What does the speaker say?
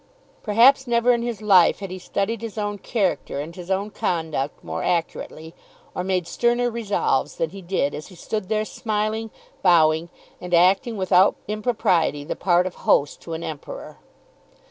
Perhaps never in his life had he studied his own character and his own conduct more accurately, or made sterner resolves, than he did as he stood there smiling, bowing, and acting without impropriety the part of host to an Emperor.